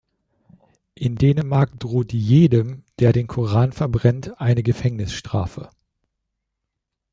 In Dänemark droht jedem, der den Koran verbrennt, eine Gefängnisstrafe.